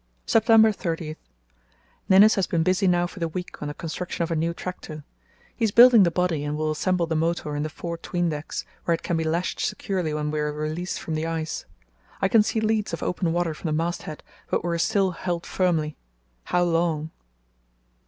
"September 30.—Ninnis has been busy now for the week on the construction of a new tractor. He is building the body and will assemble the motor in the fore 'tween decks, where it can be lashed securely when we are released from the ice. I can see leads of open water from the masthead, but we are still held firmly. How long?